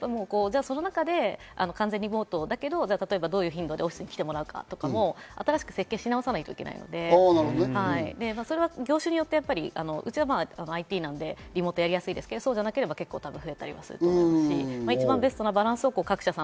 その中で完全リモートだけど、どういう頻度でオフィスに来てもらう方も、新しく設計しなおさないといけないので、業種によってうちはＩＴなのでリモートをやりやすいですけど、そうじゃなければ増えたりもすると思います。